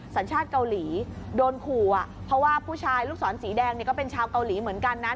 สัญชาติเกาหลีโดนขู่อ่ะเพราะว่าผู้ชายลูกศรสีแดงเนี่ยก็เป็นชาวเกาหลีเหมือนกันนะ